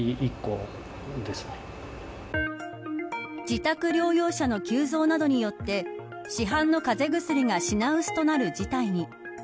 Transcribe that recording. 自宅療養者の急増などによって市販の風邪薬が品薄となる事態に。